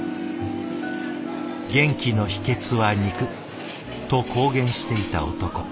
「元気の秘けつは肉！」と公言していた男。